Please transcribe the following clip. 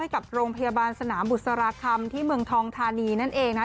กับโรงพยาบาลสนามบุษราคำที่เมืองทองทานีนั่นเองนะ